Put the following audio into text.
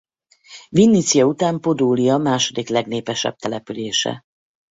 Vinnicja után Podólia második legnépesebb települése.